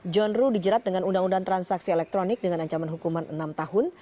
john ruh dijerat dengan undang undang transaksi elektronik dengan ancaman hukuman enam tahun